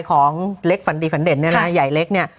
ของเล็กฝันดีฝันเด่นเนี่ยนะใหญ่เล็กเนี่ย